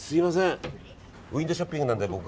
ウィンドーショッピングなので僕。